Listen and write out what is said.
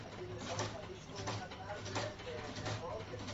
Cuando se está al aire libre, lleva una capa azul oscuro.